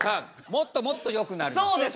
もっともっとよくなります。